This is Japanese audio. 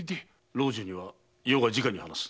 老中には余が直に話す。